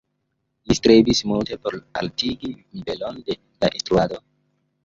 Li strebis multe por altigi nivelon de la instruado.